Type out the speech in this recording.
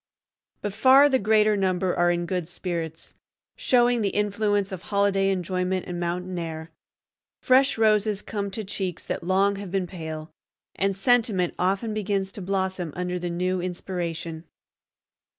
But far the greater number are in good spirits, showing the influence of holiday enjoyment and mountain air. Fresh roses come to cheeks that long have been pale, and sentiment often begins to blossom under the new inspiration.